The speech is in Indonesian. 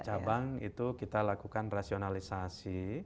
cabang itu kita lakukan rasionalisasi